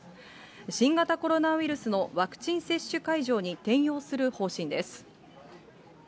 新型コロナウイルスのワクチン接種会場に転用する方針です。